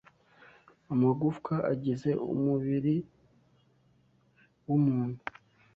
Amagufwa agize umubiri w’umuntu